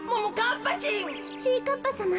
ちぃかっぱさま。